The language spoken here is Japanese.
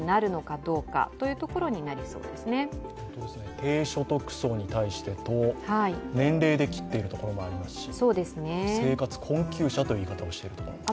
低所得層に対してと、年齢で切っているところもあるし生活困窮者という言い方をしているところもある。